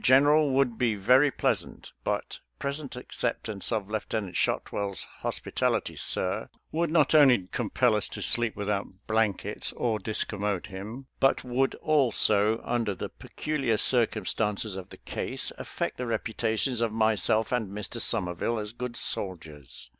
General, would be very pleasant, but present acceptance of Lieutenant Shotwell's hospitality, sir, would not only com pel us to sleep without blankets or discommode him, but would, also, under the peculiar! cir cumstances of the case, affect the reputations of myself and Mr. Somerville as good soldiers.